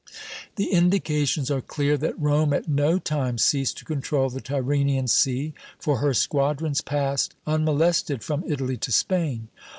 The indications are clear that Rome at no time ceased to control the Tyrrhenian Sea, for her squadrons passed unmolested from Italy to Spain.